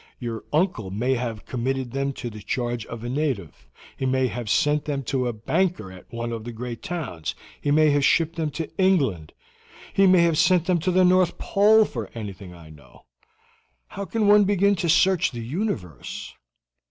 Your uncle may have committed them to the charge of a native; he may have sent them to a banker at one of the great towns; he may have shipped them to England. He may have sent them to the North Pole for anything I know. How can one begin to search the universe?"